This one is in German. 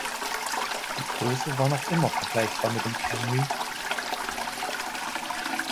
Die Größe war noch immer vergleichbar mit dem Camry.